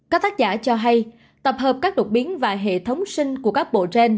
các tác giả cho hay tập hợp các đột biến và hệ thống sinh của các bộ gen